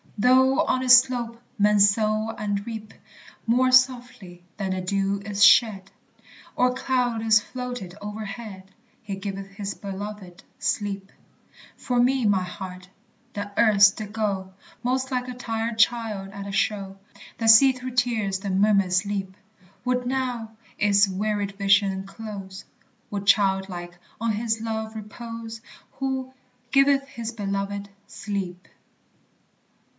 Though on its slope men sow and reap; More softly than the dew is shed, Or cloud is floated overhead, "He giveth his beloved sleep." For me, my heart, that erst did go Most like a tired child at a show. That sees through tears the mummers leap, Would now its wearied vision close, Would childlike on his love repose Who "giveth his beloved sleep."